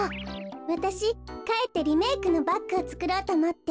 わたしかえってリメークのバッグをつくろうとおもって。